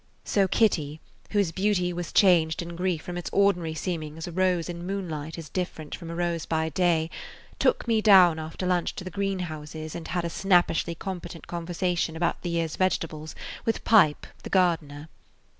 So Kitty, whose beauty was as changed in grief from its ordinary seeming as a rose in moonlight is different from a rose by day, took me down after lunch to the greenhouses and had a snappishly competent conversation about the year's vegetables with Pipe, the gardener.